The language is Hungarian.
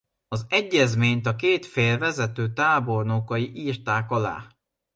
Az egyezményt a két fél vezető tábornokai írtak alá.